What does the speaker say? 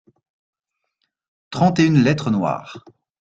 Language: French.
Trente et une lettres noires.